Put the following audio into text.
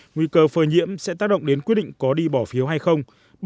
nguy cơ phơi nhiễm sẽ tác động đến quyết định có đi bỏ phiếu hay không